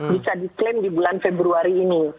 bisa diklaim di bulan februari ini